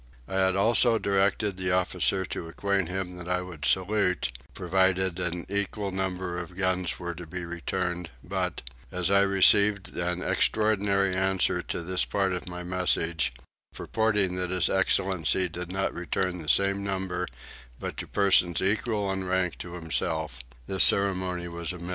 I had also directed the officer to acquaint him that I would salute, provided an equal number of guns were to be returned but, as I received an extraordinary answer to this part of my message, purporting that his excellency did not return the same number but to persons equal in rank to himself, this ceremony was omitted.